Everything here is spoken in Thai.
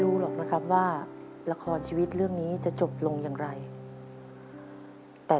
หรือผู้ประพันว่าขอให้เขียนบทให้น้องหายได้ไหม